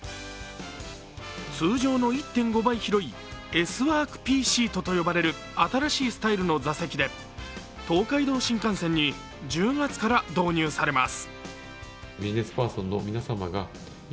通常の１．５倍広いＳＷｏｒｋＰシートと呼ばれる新しいスタイルの座席で東海道新幹線に１０月から導入されます。